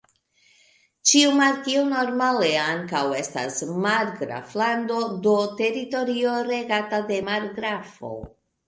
Ĉiu markio normale ankaŭ estas margraflando, do, teritorio regata de margrafo.